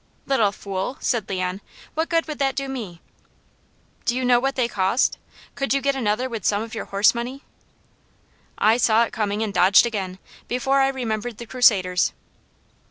"Little fool!" said Leon. "What good would that do me?" "Do you know what they cost? Could you get another with some of your horse money?" I saw it coming and dodged again, before I remembered the Crusaders.